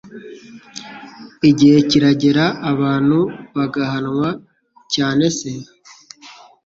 igihe kiragera abantu bagahanwa cyane c